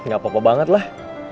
gak apa apa banget lah